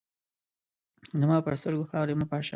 زما پر سترګو خاوري مه پاشه !